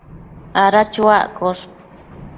ada chuaccosh